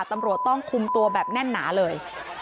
ตำรวจต้องคุมตัวแบบแน่นหนาเลย